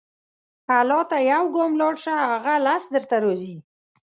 الله ته یو ګام لاړ شه، هغه لس درته راځي.